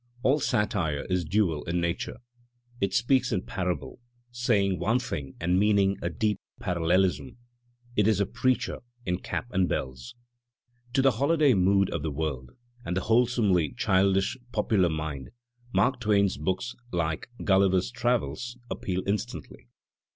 All satire is dual in' its nature. It speaks in parable, saying one thing and mean * ing a deeper parallelism. It is a preacher in cap and bells. To the holiday mood of the world and the wholesomely childish popular mind Mark Twain's books, like "Gulliver's Travels," appeal instantly.